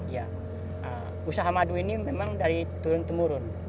ya usaha madu ini memang dari turun temurun